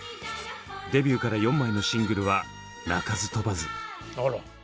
デビューから４枚のシングルは鳴かず飛ばず。